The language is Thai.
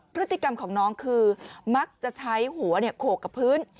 พฤติกรรมของน้องคือมักจะใช้หัวโขกกับพื้น